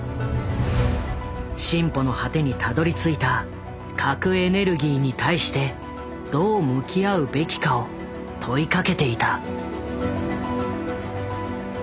進歩の果てにたどりついた核エネルギーに対してどう向き合うべきかを問いかけていた。